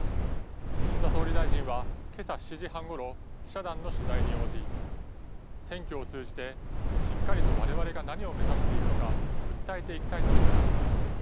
岸田総理大臣は、けさ７時半ごろ、記者団の取材に応じ選挙を通じてしっかりとわれわれが何を目指しているのか訴えていきたいと述べました。